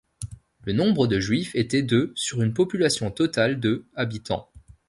Le nombre de Juifs était de sur une population totale de habitants.